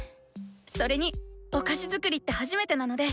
それにっお菓子作りって初めてなので！